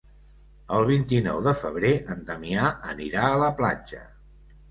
El vint-i-nou de febrer en Damià anirà a la platja.